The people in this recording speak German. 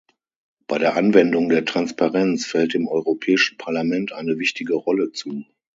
Bei der Anwendung der Transparenz fällt dem Europäischen Parlament eine wichtige Rolle zu.